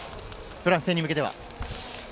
フランス戦に向けては？